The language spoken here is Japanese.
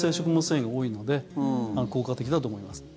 繊維が多いので効果的だと思います。